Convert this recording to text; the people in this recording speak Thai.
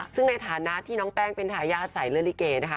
ซึ่งในฐานะที่น้องแป้งเป็นทายาทสายเลือดลิเกนะคะ